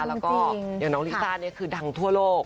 และก็ไลค์ซาคือดังทั่วโลก